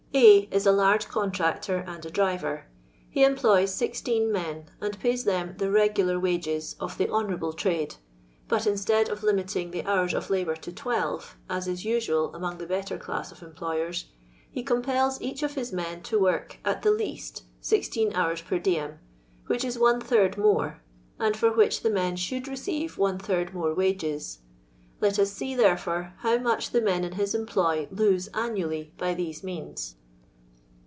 A is a large contractor and a driyer. He em ploys 16 men, and pays them the " regular wages" of the honourable trade ; but, instead of limiting the hours of labour to 12, as is usual among the better class of employers, he compels each of his men to ^ work at the least 16 hours per diem, which is one third more, and for which the men should receive one third more wages. Let us see, therefore, how much the men in his employ lose annually by these means.